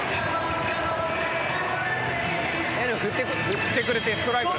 振ってくれてストライク。